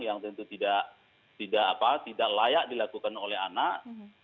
yang tentu tidak layak dilakukan oleh anak